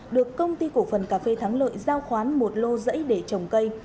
được công ty cổ phần cà phê thắng lợi giao khoán một lô rẫy để trồng cây